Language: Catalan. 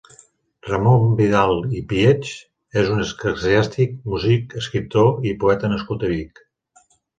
Ramon Vidal i Pietx és un eclesiàstic, músic, escriptor i poeta nascut a Vic.